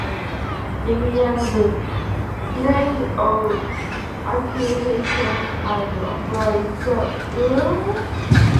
Demjanjuk denied all accusations and appealed the verdict.